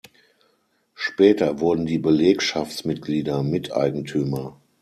Später wurden die Belegschaftsmitglieder Miteigentümer.